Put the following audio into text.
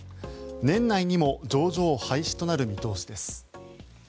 年内にも上場廃止となる見通しです。